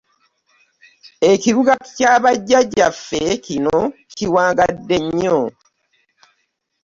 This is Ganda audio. Ekibuga kya ba jjajjaffe kino kiwangadde nnyo.